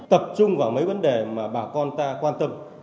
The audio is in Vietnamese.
tập trung vào mấy vấn đề mà bà con ta quan tâm